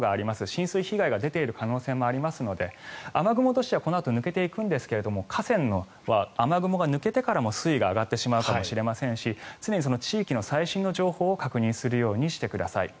浸水被害が出ている可能性もありますので雨雲としてはこのあと抜けていくんですが河川は雨雲が抜けてからも水位が上がってしまうかもしれませんし常に地域の最新の情報を確認するようにしてください。